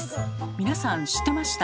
皆さん知ってました？